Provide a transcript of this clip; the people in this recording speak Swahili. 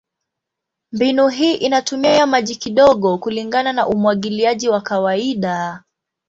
Mbinu hii inatumia maji kidogo kulingana na umwagiliaji wa kawaida.